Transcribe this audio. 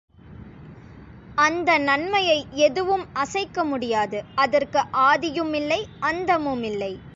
அந்த நன்மையை எதுவும் அசைக்க முடியாது அதற்கு ஆதியுமில்லை, அந்தமுமில்லை.